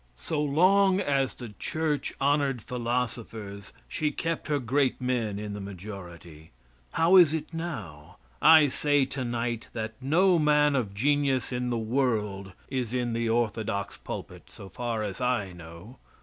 So long as the church honored philosophers she kept her great men in the majority. How is it now? I say tonight that no man of genius in the world is in the orthodox pulpit, so far as I know.